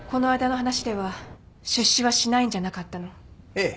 ええ。